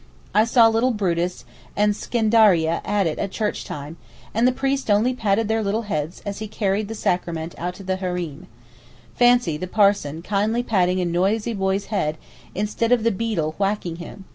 I saw little Butrus and Scendariah at it all church time—and the priest only patted their little heads as he carried the sacrament out to the Hareem. Fancy the parson kindly patting a noisy boy's head, instead of the beadle whacking him!